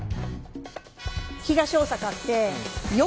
東大阪って横。